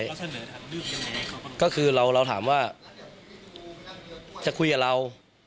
เราเสนอทางเลือกให้เขาก็เรียบร้อยก็คือเราเราถามว่าจะคุยกับเรา